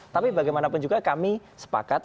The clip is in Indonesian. tapi bagaimanapun juga kami sepakat